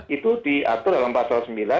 itu diatur dalam pasal sembilan